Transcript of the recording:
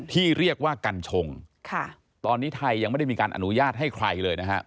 ที่เรียกว่ากัญชงตอนนี้ไทยยังไม่ได้มีการอนุญาตให้ใครเลยนะฮะ